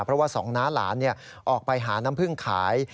เพราะว่าสองน้าหลานออกไปหาน้ำพึ่งขาย